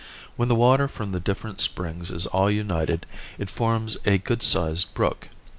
When the water from the different springs is all united it forms a good sized brook.